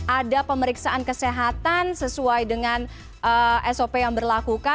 ada pemeriksaan kesehatan sesuai dengan sop yang berlaku